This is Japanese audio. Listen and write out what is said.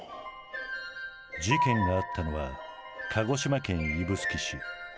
事件があったのは鹿児島県指宿市。